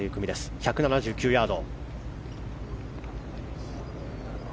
１７９ヤード。